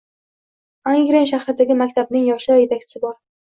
Angren shahridagi maktabning yoshlar yetakchisi bor